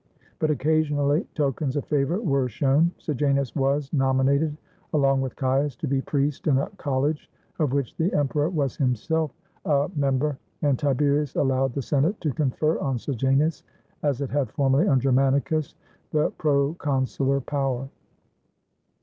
But occasionally tokens of favor were shown. Sejanus was nominated along with Caius to be priest in a college of which the Emperor was himself a 424 THE FALL OF SEJANUS member, and Tiberius allowed the Senate to confer on Sejanus, as it had formerly on Germanicus, the procon sular power.